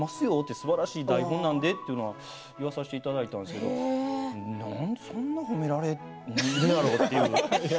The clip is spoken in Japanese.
すばらしい台本なんでと言わさせていただいたんですけどなんでそんな褒められるやろって。